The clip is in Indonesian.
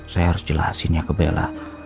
saya harus jelasin ya ke bella